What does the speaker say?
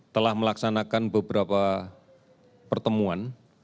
telah melaksanakan beberapa pertemuan